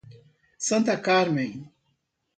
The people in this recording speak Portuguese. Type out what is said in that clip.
Santa Carmem